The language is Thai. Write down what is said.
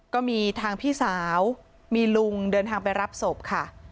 ก็มีทางพี่สาวมีลุงเดินทางไปรับศพค่ะ